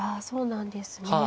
そうなんですか？